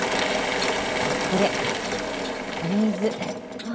これお水。